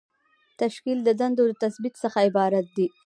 تشکیل د دندو د تثبیت څخه عبارت دی.